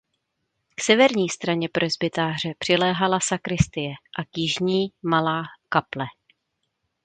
K severní straně presbytáře přiléhala sakristie a k jižní malá kaple.